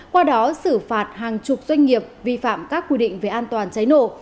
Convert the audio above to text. qua đó xử phạt hàng chục doanh nghiệp vi phạm các quy định về an toàn cháy nổ